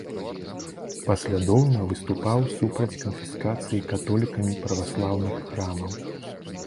Паслядоўна выступаў супраць канфіскацыі католікамі праваслаўных храмаў.